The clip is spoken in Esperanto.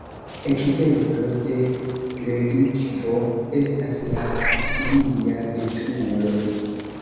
Ekzemplo de relikvo estas la sicilia betulo.